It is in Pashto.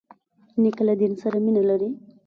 نیکه له دین سره مینه لري.